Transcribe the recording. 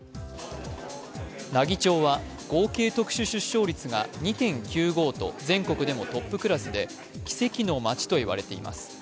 奈義町は合計特殊出生率が２．９５と全国でもトップクラスで奇跡の町と言われています。